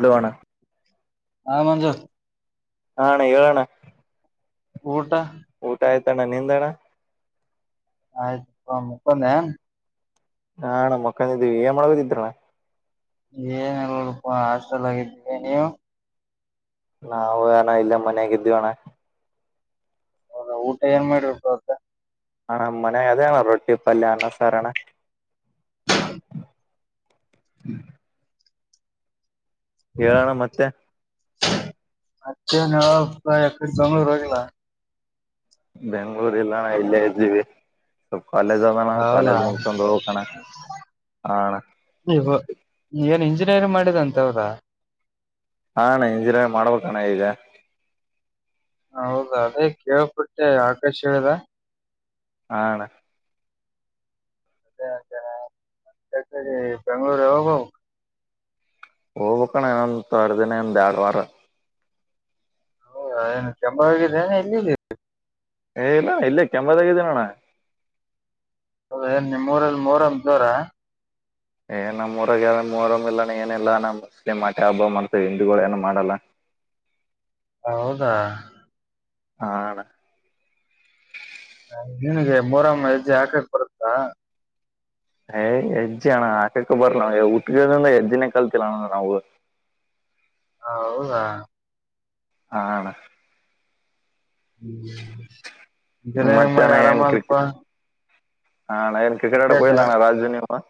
hello ಅಣ್ಣ ಹ ಮಂಜ ಹಣ್ಣ ಹೇಳೋಣ ಊಟ ಊಟ ಆಯ್ತಣ್ಣ ನಿಂದಣ್ಣ ಆಯ್ತ್ ಮುಪ್ಪಂದೇ ಹಾ ನ ಮಕ್ಕಂದಿದ್ದೀವಿ ಏನ್ ಮಾಡ್ಗದಿದ್ರಲ್ಲ ಏನೆಲ್ಲೂ ಹಾಸ್ಟೆಲ್ ಆಗಿದ್ದೀವಿ ನೀವು ನಾವು ಅಣ ಇಲ್ಲ ಮನೆಗೆದ್ದ ಅಣ್ಣ ಹೌದಾ ಊಟ ಏನ್ ಮಾಡರ್ಬೇಕು ಮತ್ತೆ ಹಣಮ್ಮನೆ ಅದೇಣ ರೊಟ್ಟಿ ಪಲ್ಯ ಅನ್ನಸಾರಣ ಹ್ಮ ಹೇಳೋಣ ಮತ್ತೆ ಅಚ್ಚ ನ ಕ ಅಕಡೆ ಜಂಗಳರು ವೋಗಲ್ಲ ಬೆಂಗ್ಳೂರ್ಲ್ಲ ನಾ ಇಲ್ಲೇ ಇದ್ದೀವಿ ಸ್ ಕಾಲೇಜ್ ಆದದಣ ಕಾಲೇಜ್ ಮು ಸಂಂದೋಗಕಣ ನೀವು ಏನ್ ಇಂಜಿನಿಯರಿಂಗ್ ಮಾಡಿದಂತವ್ರ ಹಾ ನಾ ಇಂಜಿನಿಯರಿಂಗ್ ಮಾಡ್ಬೇಕಾನ ಇದೆ ಹೌದಾ ಅದೇ ಕೇಳ್ಪಟ್ಟೆ ಆಕಾಶ ಹೇಳಿದ ಹಣ ಅ ಸರಿ ಸರಿ ಬೆಂಗ್ಳೂರು ಯಾವಾಗ ಹೋಗ್ಬಕ್ ಹೋಗ್ಬೇಕಣ ಇನ್ನೊಂದ್ ಒಂದ್ ವಾರ ಎರಡ್ ವಾರ ಹೌ ಏನು ಕೆಂಬ ಹಾಗಿದ್ದೇನೆ ಎಲ್ಲ ಏ ಇಲ್ಲಾ ಇಲ್ಲ ಕೆಂಬತಗದಿನಣ ಅೌದ ಏನ್ ನಿಮ್ಮೂರಲ್ಲಿ ಮೂರಮ ಜೋರ ಏ ನಮ್ಮ್ರಗೆ ಯಮ್ಮರ ಇಾನ ಏನಿಲ್ಲ ನ ಮುಸ್ಲಿಂ ಆಟಿ ಹಬ್ಬ ಮಾಡ್ತೇವಿ ಹಿಂದೂಗಳ ಏನು ಮಾಡಲ್ಲ [inaudible] ಹೌದಾ ಹಣ ನಿಿನಗೆ ಮರಮ್ಮ ಅಜ್ಜಿ ಹಾಕಕ್ ಬರುತ್ತಾ ಏ್ ಹೆಜ್ಜಿಯಣ ಆಕಕ್ಕೆ ಬರ್ಲ ಉಟ್ಟಿಂದ ಹೆಜ್ಜಿನೇ ಕಲ್ತಿಲ್ಲಣ ನಾವು [inaudible] ಹೌದಾ ಹಾ ಅಣ್ಣ ಹ್ಮ್ ಜನಂಗ ಮತ್ತೆ ಮಾಡಿ ಅಣ್ಣ ಏನ್ ಆರಾಮಾಗಪ ಕ್ರಿಕೆಟ್ ಹಾ ನಾನಿನ್ ಕ್ರಿಕೆಟ್ ಅಡಕ್ ಹೋಗಿಲ್ಲಣ್ಣ ರಾಜ್ ವಿನ್ [inaudible]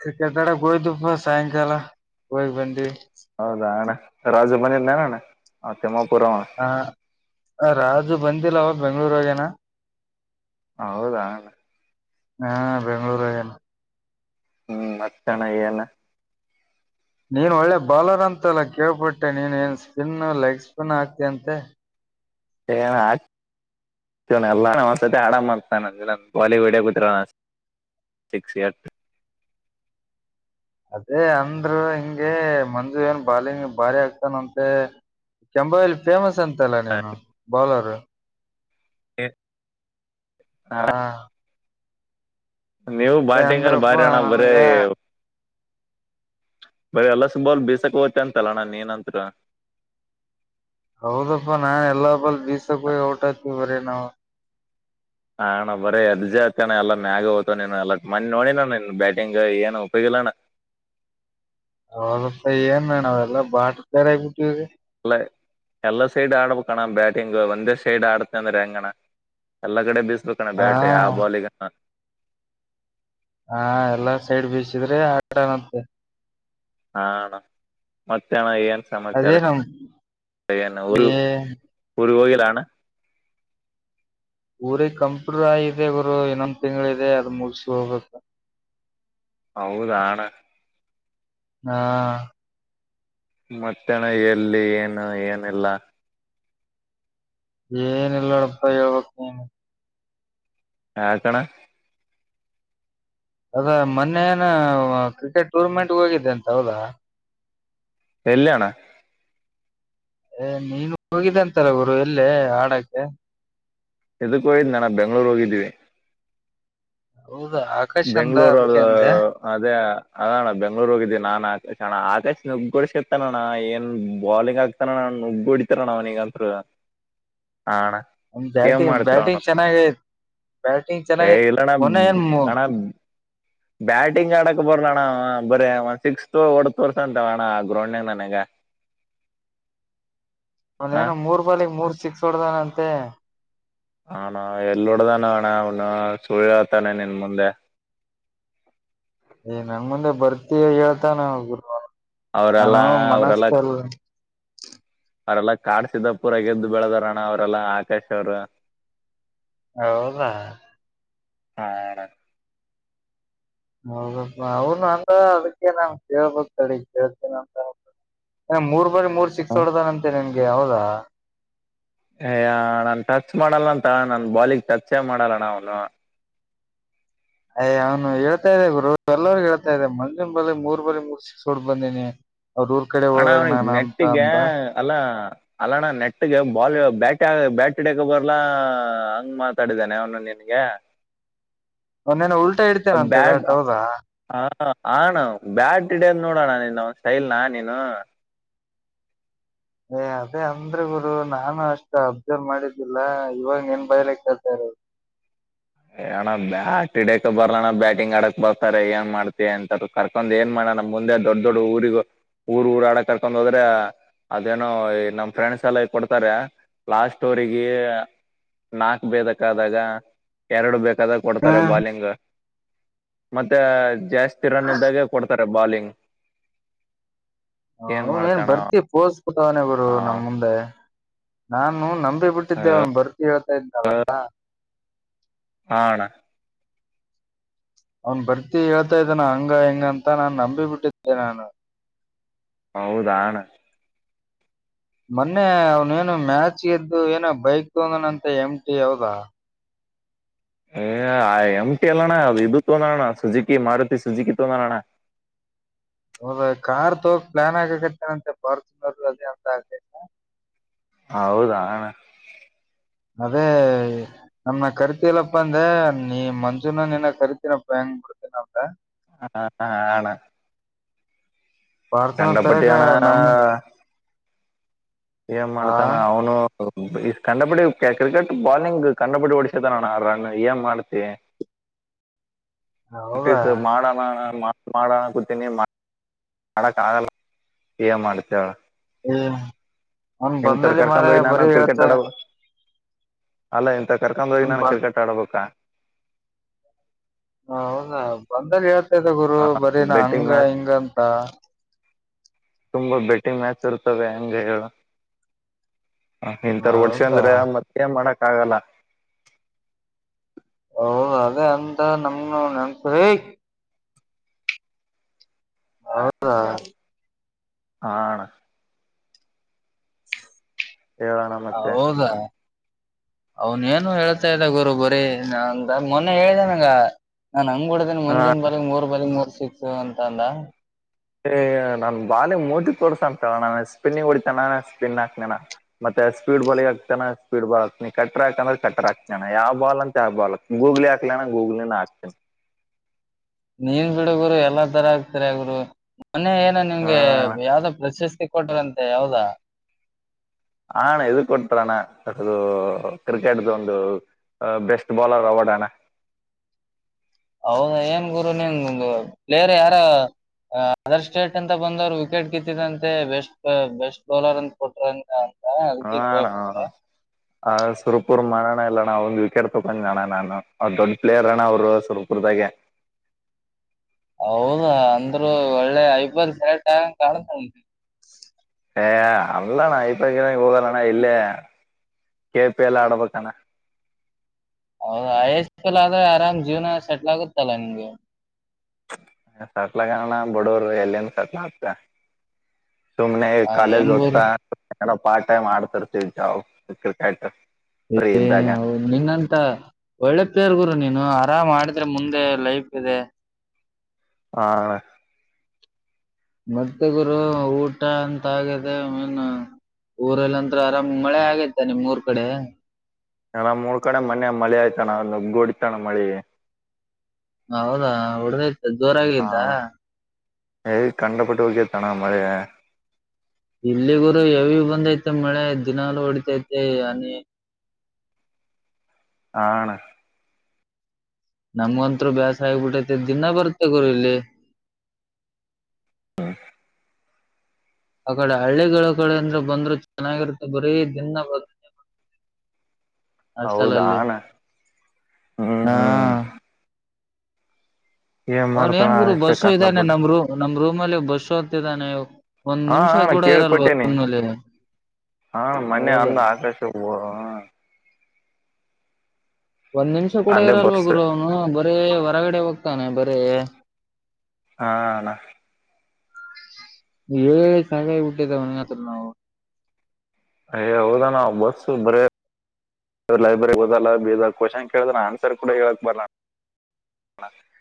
ಕಕ್ರಿಕೆಟ್ ಅಡಕ್ ಹೋಗಿದಪ್ಪಾ ಸಾಯಂಕಾಲ ಹೋಗ್ ಬಂದೀವಿ ರಾಜ ಬಂದಿದ್ನ ಏನಣ್ಣ ಹ ರಾಜು ಬಂದಿಲ್ಲ ಅವ ಬೆಂಗ್ಳೂರಾಗೇನ ಹೌದಾ ಹಾ ಬೆಂಗ್ಳೂರು ಹೋಗ್ಯಾನ ಹ್ಮ್ ಮತ್ತ ಅಣ ಏನ ನೀನು ಒಳ್ಳೆ ಬೌಾಲರ್ ಅಂತೆಲ್ಲ ಕೇಳ್ಪಟ್ಟೆ ನೀನು ಏನ್ ಸ್ಪಿನ್ ಲೆಗ್ ಸ್ಪಿನ್ ಆಾಕ್ತಯಂತೆ ಏ ಅಣ್ಣ ಹಾಕ್ತ ಅಲ್ಲಾನಸ ಆಡಾಮ ಮಾಡ್ತಾನ ಬಾಲಿ ವಡಿಯ ಕು [unintelligible] ಸಿಕ್ಸ್ ಎಟ್ ಅದೇ ಅಂದ್ರ ಹಿಂಗೆ ಮಂಜು ಏನ್ ಬಾಲಿಂಗ್ ಭಾರಿ ಆಗ್ತಾನಂತೆ ಕೆಂಬೊದಲ್ ಫೇಮಸ್ ಅಂತಲ್ಲ ನೀನು ಬೌಲರು ಹ ಹಾ ನೀವು ಅದೇ ಬ್ಯಾಟಿಂಗಲ್ಲಿ ಅಂದ್ರಪ್ಪ ಬಾರಿ ಅಣ್ಣ ಬರೀ ನನ್ಗ ಬರೆ ಎಲ್ಲ ಸುಬಲ್ ಬೀಸಕ್ ಹೋಗ್ತ ಅಂತಲ್ಲಣ್ಣ ನೀನತ್ರ ಹೌದಪ್ಪ ನಾ ಎಲ್ಲಾ ಬಾಲ ಬೀಸಕ್ಕ ಹೋಗಿ ಔಟಾತಕ್ತೇನಿ ನಾನ್ ಅಂತೂ ಹಾ ಅಣ್ಣ ಬರೀ ಅರ್ಜ ಆತಣ್ಣ ಎಲ್ಲ ಮ್ಯಾಗೆ ಹೋಗ್ತ ನೀ ಎ ಮಿ ನೋಡಿನನ್ ಬ್ಯಾಟಿಂಗ್ ಏನ್ ಉಪಯೋಗ ಇ ಲ್ಲಣ ಹೌದಪ್ಪ ಏನಣ್ಣ ಎಲ್ಲಾ ಬಾಟ್ ತಾರ ಆಗ್ಬಿಟ್ಟಿವಿ ಎಲ್ಲ ಎಲ್ಲ ಸೈಡ್ ಆಡಬೇಕ ಅಣ್ಣ ಬ್ಯಾಟಿಂಗ್ ಒಂದೇ ಸೈಡ್ ಆಡ್ತೇನ ಅಂದ್ರ ಹೆಂಗ್ ಅಣ್ಣ ಎಲ್ಲ ಕಡೆ ಬೀಿಸಬೇಕಣ್ಣ ಬ್ಯಾಟ್ ಯಾವ ಹಾ ಬಾಲೀಗನ ಹಾ ಎಲ್ಲಾ ಸೈಡ್ ಬೀಸಿದ್ರೆ ಆಟ ಮತ್ತೆ ಹಾ ಅಣ್ಣ ಮತ್ತೆಣ ಏನ್ ಸಮಾಚಾರ ಅದೇ ನಮ್ ಏನ್ ಏ ಊರಿಗ್ ಹೋಗಿನ ದಾ ಅಣ್ಣ ಊರಿಗೆ ಕಂಪ್ರೂವ್ ಆಯಿದೆ ಗುರು ಇನ್ನೊಂದ ತಿಂಗಳದೆ ಅದ ಮುಗಸ ಹೋಗಕ್ ಹೌದಣ ಹಾ ಮತ್ತೆ ಅಣ್ಣ ಎಲ್ಲಿ ಏನು ಏನಿಲ್ಲ ಏನ ಇಲ್ಲಾಡಪ್ಪ ಹೇಳ್ಬೇಕ್ ನೀನು ಹಾಕಣ ಅದ ಮೊನ್ನೆ ಏನ ಕ್ರಿಕೆಟ್ ಟೂರ್ನಮೆಂಟ್ ಹೋಗಿದ್ದೆ ಅಂತ ಹೌದಾ ಎಲ್ಲಣ ಏ ನೀನು ಹೋಗಿದ್ದ ಅಂತಲ್ಲ ಗುರು ಎಲ್ಲೇ ಆಡಕ್ಕೆ ಇದಕ್ಕ ಹಯ್ದ್ ನಾನ ಬೆಂಗ್ಳೂರ್ ಹೋಗಿದ್ದೀವಿ ಹೌದಾ ಆಕಾಶ್ ಅಂದ ಬೆಂಗ್ಗಳೂರು ಅದಕ್ಕೆ ಅಲ್ಲಿ ಅಂದೆ ಅದೇ ಅದಣ್ಣ ಬೆಂಗ್ಳೂರು ಹೋಗಿದ್ದೀಿ ನಾನ್ ಆಕಾಶಣ ಆಕಾ್ ನುಗ್ಗಡ ಸಿತಾನಣ್ಣ ಏನ್ ಬಾಲಿಂಗ್ ಆಗ್ತಾನಣ್ಣ ನುಗ್ಗು ಹೊಡಿತಾರ ಅಣ್ಣ ಅವನಗಂತ ಹಾ ಅಣ್ಣ ಏನ್ ಬ್ಯಾಟಿಂಗ್ ಮಾಡ್ತೀವಣ ಬ್ಯಾಟಿಂಗ್ ಚೆನ್ನಾಗೈತ್ ಬ್ಯಾಟಿಂಗ್ ಹೇ ಚೆನ್ನಾಗಿ ಇಲ್ಲಣ್ಣ ಮೊನ್ನೆ ಏನ್ ಅ ಣಾ ಬ್ಯಾಟಿಂಗ್ ಆಡಕ್ ಬರಲ್ಲ ಅಣ್ಣ ಬರೇ ಒನ್ ಸಿಕ್ಸ್ ಓಡ ತೋರ್ಸ ಅಂತರ ಅಣ ಆ ಗ್ರೌಂಡ್ ನನ್ಗ [inaudible] ಅವನ್ೇನ ಮೂರ್ ಬಾಲಗ್ ಮೂರ್ ಸಿಕ್ಸ್ ಹೊಡ್ದಾನಂತೆ ಹಾನ ಎಲ್ಲೋಡ್ದಾನಣ್ಣ ಅವನು ಸುಳತಾನೆ ನಿನ್ ಮುಂದೆ [inaudible] ಏ ನನ್ ಮುಂದೆ ಬರ್ತಿ ಹೇಳ್ತಾನ ಗು ಅವರೆಲ್ಲಾ ಅವರೆಲ್ಲ ಅವರೆೆಲ್ಲಾ ಕಾಡ್ ಸಿದ್ದ ಪುರ ಗೆದ್ದು ಬೆಳೆದಾರಣ್ಣ ಅವರೆಲ್ಲಾ ಆಕಾಶ್ ಅವ್ರು ಹೌದಾ ಹಾ ಹೌದಪ್ಪ ಅವನು ಅಂದ ಅದಕ್ಕೆ ನಾನ್ ಕೇಳ್ಬಕ್ತಳ ಕೇಳ್ತನ ಅಂತ ಹ ಮೂರ್ ಬಾರಿ ಮೂರ್ ಸಿಕ್ಸ್ ಹೊಡ್ದಾನಂತೆ ನಿನ್ಗೆ ಹೌದಾ ಅಯ ನಾನನ್ ಟಚ್ ಮಾಡಲ್ಲ ಅಂತ ನನ್ ಬಾಲಿಗೆ ಟಚ್ೇ ಮಾಡಲ್ಲಣ ಅವ್ನು ಅಯ ಅವ್ನು ಹೇಳ್ತಾ ಇದ್ದ ಗು ಎಲ್ಲಗ ಹೇಳ್ತಾದೆ ಮಂಜಿನ ಬಳಿ ಮೂರ್ ಬಳ ಮೂರು ಸಿಿ ಸೋಡ್ ಬಂದಿನಿ ಹಣ ಅವನಿಗೆ ನೆಟ್ಟಿಗೆ ಅಲ್ಲಾ ಅಲ್ಲಣ ನೆಟ್ಗೆ ಬಾಲ್ ಬ್ಯಾಟ ಬ್ಯಾಟ್ ಹಡಕ ಬರ್ಲಾ ಹಂಗ್ ಮಾತಾಡಿದೇೆ ಅವನು ನಿನ ಾ ಒನ್ನೇನ ಉಲ್ಟಾ ಇಡ್ತೇನೆ ಅಂತೆ ಬ್ಯಾಟ್ ಹೌದಾ ಹಣ ಬ್ಯಾಡ್ ಟಡೇ ಅ್ ನೋಡೋಣ ನೀನ್ನ ಸ್ಟೈಲ್ನ ನೀನು ಏ ಅದೇ ಅಂದ್ರೆ ಗುರು ನಾನು ಅಷ್ಟು ಅಬ್ಸರ್ವ್ ಮಾಡಿದ್ದಿಲ್ಲ ಇವಾಗ ಏನ್ ಬಯಲಕ್ ಕೇತಾರರು [inaudible] ಏಣ ಬ್ಯಾಟ್ ಇಡಕ್ ಬರೋಣ ಬ್ಯಾಟಿಂಗ್ ಆಡಕ್ ಬರ್ತಾರೆ ಏನ್ ಮಾಡ್ತತಿ ಅಂತ ಕರ್ಕೊಂಡ್ ಏನ್ ಮಾಡ್ ನಮ್ ಮುಂದೆ ದೊಡ್ಡ ದೊಡ್ ಊರಿಗ ಊರ್ ಊರಾಡಕ್ ಕರ್ಕೊಂಡ್ ಹೋದ್ರೆ ಅದೇನೋ ನಮ್ ಫ್ರೆಂಡ್ಸ್ ಎಲ್ಲ ಈ ಕೊಡ್ತಾರೆ ಲಾಸ್ಟ್ ಅವರಿಗೆ ನಾಕ್ು ಬೇದಕ್ ಆದಾಗ [inaudible] ಎರಡು ಬೇಕಾದಾಗ ಕೊಡ್ತಾರೆ ಬಾಲಿಂಗ್ ಮತ್ತೆ ಜಾಸ್ತಿ ರನ್ ಇದ್ದಾಗೆ ಕೊಡ್ತಾರೆ [inaudible] ಬಾಲಿಂಗ್ [inaudible] ಅವನ ಏನ್ ಬರ್ತಿ ಪೋಸ್ಕತವನೆ ಗರು ಹಾ ನಮ ಮುಂದೆ ನಾನು ನಂಬಿಬಿಟ್ಟು [inaudible] ಕೊಟ್ಟಿದ್ದೆ ಒನ್ ಬರ್ತಿ ಹೇಳ್ತಾ ಇದನಲ್ಲ [inaudible] ಹಣ [inaudible] ಅವನ್ ಬರ್ತಿ ಹೇಳ್ತಾ ಇದಾನ ಹಂಗ ಹಂಗ ಅಂತ ನಾನನ್ ನಂಬಿ ಬಿಟ್ಟಿದ್ದೆ ನಾನು [inaudible] ಹೌದಣ [inaudible] ಮೊನ್ನೆ ಅವ್ನೇನು ಮ್ಯಾಚ್ ಗೆದ್ದು ಏನ ಬೈಕ್ ತಗಂದಾನಂತ ಎಮಟಿ ಹೌದ [inaudible] ಹ ಆ್ ಎಮಟಿ ಅಲ್ಲಣ್ಣ ಅದು ಇದು ತೊಂದೋಣ್ಣ ಸುಜುಕಿ ಮಾರುತಿ ಸುಜುಕಿ ತೊಂದೋಳೋಣ್ಣ [inaudible] [inaudible] [unintelligible] ಹೌದ ಕಾರ್ ತಗ ಪ್ಲಾನ್ ಆಗಕತಾರಂತೆ ಪಾರ್ಸನರು ಅದೇ ಅಂತ ಆ [inaudible] ಹೌದಣ [inaudible] ಅದೇ ನಮನ್ನ ಕರಿತಲ್ಲಪ್ಪ ಅಂದೆ ನೀ ಮಂಜೂನ ನೀನ ಕರಿತೀನಪ್ಪ ಹೆಂಗ [inaudible] ತ [unintelligible] ಹಾ ಹ ಆಣ [inaudible] ಫಾರ್ಚುನರ್ ತರಕ ಚಂಡಪಟ್ಟಿಯಣ ನಮ್ [inaudible] ಏನ್ ಆ ಮಾಡ್ತಾನ ಅವನು [inaudible] ಕಂಡಬಡಿ ಕ್ರಿಕೆಟ್ ಬಾಲಿಂಗ್ ಕಂಡಬಡಿ ಓಡಿಸತ ನ ಆರ್ ರನ್ ಏನ್ ಮಾಡ್ತಿ [inaudible] ಹ [inaudible] ಹೌದಾ ಪ್ರಕ್ಟೀಸ್ ಮಾಡೋಣ ಮಾಡಣ ಕೂತೀನಿ [inaudible] ಮಾಡಡಕ್ ಆಗಲ್ಲ ಮಾಡ್ತವಳ ಏ ಅವ್ನ್ [inaudible] ಇಂತರ ಬಂದಲ್ಲಿ ಮಾರಾಯ ಕರ್ಕೊಂಡೋಗಿ ನಾನು ಬರೀ ಕ್ರಿಕೆಟ್ ಹೇಳ್ತಾ ಆಡಬ ಅಲ್ಲ ಇಂತ ಕರ್ಕೊಂಡ ಹೋಗಿ ಅವ್ನ್ ನಾನು ಬ ಕ್ರಿಕೆಟ್ ಆಡಬೇಕಾ [inaudible] ಹ ಹೌದಾ ಬಂದಾಗ ಹೇಳ್ತಾದ ಗುರು ಬರೀನಾ ಬೆಟ್ಟಿಂಗ್ ಹಂಗ ಮ್ಯಾಚ್ ಹಿಂಗ ಅಂತ [inaudible] ತುಂಬಾ ಬೆಟ್ಟಿ ಮ್ಯಾಚ್ ಇರ್ತವೆ ಹೆಂಗ ಹೇಳು [inaudible] ಹ ಇಂತರ ವರ್ಷ ಅಂದ್ರೆ ಹೌದಾ ಮತ್ತೆೇನ್ ಮಾಡಕ್ ಆಗಲ್ಲ [inaudible] ಹೌದ ಅದೇ ಅಂತ ನಮ ನೆನ್ಸ [inaudible] ಹೌದಾ [inaudible] ಹ [inaudible] ಹೇಳೋಣ ಮತ್ತೆ [inaudible] ಅವನ್ ಏನು ಹೇಳ್ತಾ ಇದ್ದ ಗುರು ಬರೀ ನ ಮೊನ್ನೆ ಹೇಳಿದೇನಗ [inaudible] ನಾನ್ ನಂಗ್ ಕುಡ್ದೇನಿ ಹಾ ಮುಂದಿನ ಬಾಲಗ್ ಮೂರ್ ಬಾಲಗ್ ಮೂರ್ ಸಿಕ್ಸು ಅಂತ ಅಲ್ಲ [inaudible] ನನ್ ಬಾಲಿ ಮೂಟ ಕೊಡ್ಸ ಅಂತ ನಾನು ಸ್ಪಿನ್ನಿ ಹೊಡಿತನ ಸ್ಪಿನ್ ಹಾಕ್ನಣ ಮೆ [inaudible] ಸ್ಪೀಡ್ ಬಾಲ್ ಹ ಆಗ್ತಾನ ಸ್ೀಡ್ ಬಾಲ್ ಹಾತೀನ ಕ್ರಾಕ ಅ್ರ ಕ್ರ ಹಾತಾನ ಯಾವ ಬಾ ಅ ಯ ಬಾಕ್ ಗೂಲ್ [inaudible] ಾಕಲಣ ಗೊೋಗಲ ನಾಕತ [inaudible] ನೀನ್ ಬಿಡಗರು ಎಲ್ಲಾ ತರ ಆಗ್ತರ ಅಗರು ಮೊನ್ನೆ ಏನ ಹ ನಿಮ್ಗೆ ಯಾವ್ದೋ ಪ್ರಶಸ್ತಿ ಕೊಟ್ರಂತೆ ಯಾವದಾ [inaudible] ಹಣ ಇ ಕೊಟ್ರಣ ಅದು ಕ್ರಿಕೆಟ್್ದ ಒಂದು [inaudible] ಅ ಬೆಸ್ಟ್ ಬೌಾಲರ್ ಅವಾರ್ಡ್ಣ [inaudible] ಹೌದಾ ಏನ್ ಗುರು ನಿನ್ ಪ್ಲೇರ್ ಯಾರ [inaudible] ಅದರ್ ಸ್ಟೇಟ್ ಅಂತ ಬಂದವರು ವಿಕೆಟ್ ಗಿತ್ತಿದಂತೆ ಬೆಸ್ಟ್ ಬೆಸ್ಟ್ ಬೌಲರ್ ಅಂತ ಕೊಟ್ರ [inaudible] ಹಣ ಆ ಸುಪ [inaudible] ಸುರ್ಪೂರ್ ಮಾಡೋಣ ಇಲ್ಲಣ್ಣ ಒಂದ್ ವಿಕೆಟ್ ತೊಕೊಂಡ ಅಣ ನಾನು ಅವ ದೊಡ್ ಪ್ಲಯರ್ ಅಣ ಅವರು ಸುರ್ಪುರ್ದಾಗೆ [inaudible] [unintelligible] ಹೌದಾ ಅಂದರುೂ ಒಳ್ಳೆ ಐಬರ್ ಸಟ್ ಆಗಂಗ ಕಾಣತ ಉಂಟ [inaudible] ಏ ಅಲ್ಲಣ್ಣ ಇಪ್ಪ ಕೆ ಹೋಗಲ್ಲಣ್ಣ ಇಲ್ಲ [inaudible] ಕೆ ಪಿ ಎಲ್ ಆಡಬೇಕಣ [inaudible] ಹೌದು ಆಯಸ್ ಎಲ್ ಆದ್ರೆ ಆರಾಮ್ ಜೀವನ ಸೆಟ್ಲ್ ಆಗುತ್ತಲ್ಲ ನಿಮಗೆ [inaudible] ಸಟ್ಲ ಕಣ ಬಡೋರು ಎಲ್ಲಿ ಸಟ್ಲ ಹತ ಸುಮ್ನೆ ಆ, ಕಾಲೇಜ್ ಏನ್ ಗುರು ಓದ್ತಾ ಪಾರ್ಟ್ ಟೈಮ್ ಆಡ್ತರ್ತವಿ ಜಾವು ಕ್ರಿಕೆಟ್ ಫ್ರೀ ಏ ಇದ್ದಾಗ ಹೌದು ನಿಂಗಂತ ಒಳ್ಳೆ ಪೇರ್ಗುರು ನೀನು ಆರಾಮ್ ಮಾಡಿದ್ರೆ ಮುಂದೆ ಲೈಫ್ ಇದೆ ಆ ಮದೆ ಗುರು ಊಟ ಅಂತಗಿದೆ ಮೀನು ಊರಲ್ಲಂತ್ರ ಆರಾಮ್ ಮಳೆ ಆಗೈತ ನಿಮ್ಊರ್ ಕಡೆ ನಲ್ಲ ಮೂರ್ ಕಡೆ ಮನೆ ಮಳಿ ಆಯ್ತಾನ ನುಗ್ಗ ಹೊಡತಾನ ಮಳಿ ಹೌದಾ ಉಡದತ ಜೋರಾಗಿದ್ದ ಕಂಡಪಟ್ಟ ಓಕೆತಾನ ಮಳೆ ಇಲ್ಲಿಗೂರು ಯಾವ ಬಂದೈತೆ ಮಳೆ ದಿನಲು ಹೊಡಿತೈತಿ ಅನಿ ಆಣ ನಮ್ಗಂತರು ಬ್ಯಾಸ ಆಗ್ಬಿಟ್ಟತೆ ದಿನಾ ಬರ್ತೆ ಗರಿ ಇಲ್ಲಿ ಹ್ಮ ಆ ಕಡೆ ಹಳ್ಳಿಗಳ ಕಡೆ ಅಂದ್ರೆ ಬಂದ್ರು ಚೆನ್ನಾಗಿರುತ್ತೆ ಬರೀ ದಿನ ಬ ಹೌದಾನ ಹ್ಮ್ ಹ್ಮ್ ಹಾ ಅವನ್ ಏನ್ ಮಾಡ್ತಾಳ ಗುರು ಅಷ್ಟೇ ಬಸ್ಸು ಇದ್ದಾನೆ ಕಂಡಪಟ್ಟು ನಮ್ ರೂ ನಮ್ ರೂಮ್ಲ್ ಬಸ್ಸು ಅಂತಿದ್ದಾನೆ ಒಂದ್ ಹಾ ನಿಮಿಷ ಅಣ್ಣ ಕೂಡ ಇರಲ್ವ ಕೇಳ್ಪಟ್ಟೇನಿ ಒಲೆ ಹಾ ಮೊನ್ನೆ ಹೌದ ಅಂದ ಆಕಾಶ ಒಂದ್ ನಿಮಿಷ ಕೂಡ ಅಂದೆ ಇರಲ್ವ ಬಸ್ ಗುರು ಅವ್ನು ಬರೇ ಹೊರಗಡೆ ಹೋಗ್ತಾನೆ ಬರೀ ಹಾಣ ಏಳ ಸಗಾಯಿ ಬಿಟ್ಟೆ ತ ಒವು ಹ ಹೌದಾನ ಬಸ್ ಬರ ಲೈಬ್ರರಿಗ್ ಹಓದಲ್ಲ ಬೀದ ಕ್ವಶನ್ ಕೇಳಿದ್ರ ಆನ್ಸರ್ ಕೂಡ ಹೇಳಕ್ ಬರ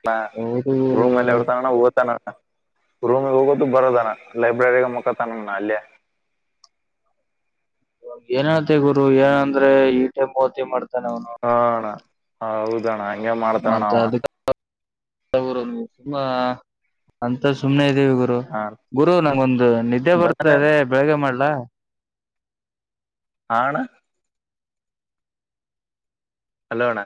ಹ ಹೌದು ರೂಮ್ ಅಲ್ಲಿ ಇಡ್ತಾನಣ್ಣ ಓತಾನಣ ರೂಮಗ್ ಹೋಗೋದು ಬರೋದಾನ ಲೈಬ್ರರಿಗ ಮುಖತನಮನ ಅಲ್ಲಯ [inaudible] ಏನ್ತೆ ಗುರು ಏನಂದ್ರೆ ಈಟೆ ಮೂತಿ ಮಾಡ್ತ ಹ ಅಣ್ಣ ಹೌದಣ್ಣ ಹಂಗೆ ಮಾಡ್ತಾರಣಾವ ಸು ಅಂತ ಸುಮ್ಮ್ ದೇವಿ ಗುರು ಹಾ ಗುರು ನಂಗೊಂದು ನಿದ್ದೆ ಬರ್ತ ಬಂದನೆ ಇದೆ ಬೆಳಗ್ಗೆ ಮಾಡ್ಲಾ ಆಣ ಹಲೋಣ್ಣ